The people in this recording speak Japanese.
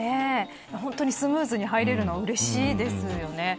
本当にスムーズに入れるのはうれしいですよね。